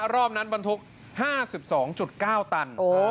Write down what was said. รอบนั้นบรรทุก๕๒๙ตัน